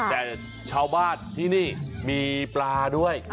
แต่ชาวบ้านที่นี่มีปลาด้วย